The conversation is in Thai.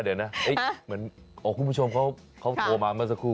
เดี๋ยวน่ะเห้ยเหมือนอ่ะคุณผู้ชมเขาเขาโทรมาเมื่อสักครู่